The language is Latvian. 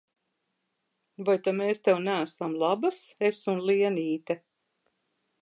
Vai ta mēs tev neesam labas, es un Lienīte?